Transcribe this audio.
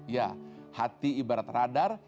ya hati ibarat radar